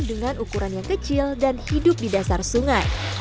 dengan ukuran yang kecil dan hidup di dasar sungai